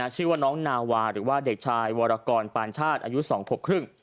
ชื่อว่าน้องนาวาหรือว่าเด็กชายวรกรปานชาติอายุ๒ขวบครึ่ง